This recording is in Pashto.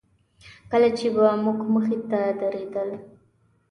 کله چې به زموږ مخې ته تېرېدل.